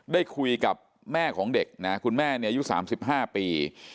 ได้คุยกับแม่ของเด็กนะคุณแม่เนี่ยอายุ๓๕ปี